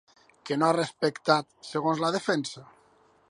Què no s'ha respectat, segons la defensa?